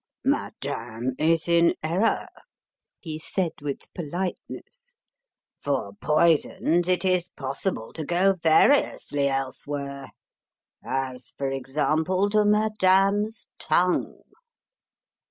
"Madame is in error," he said with politeness. "For poisons it is possible to go variously elsewhere as, for example, to Madame's tongue."